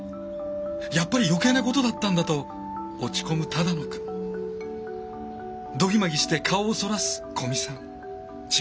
「やっぱり余計なことだったんだ」と落ち込む只野くん。ドギマギして顔をそらす古見さん。